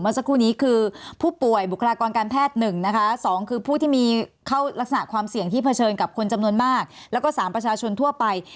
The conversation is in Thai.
สักครู่นี้คือผู้ป่วยบุคลากรการแพทย์๑นะคะ๒คือผู้ที่มีเข้ารักษณะความเสี่ยงที่เผชิญกับคนจำนวนมากแล้วก็๓ประชาชนทั่วไป